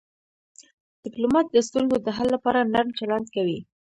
ډيپلومات د ستونزو د حل لپاره نرم چلند کوي.